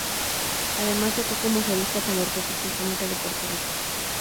Además, tocó como solista con la Orquesta Sinfónica de Puerto Rico.